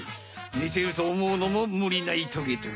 にていると思うのもむりないトゲトゲ。